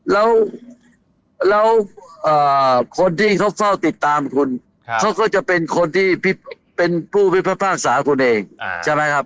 แล้วคนที่เขาเฝ้าติดตามคุณเขาก็จะเป็นคนที่เป็นผู้พิพากษาคุณเองใช่ไหมครับ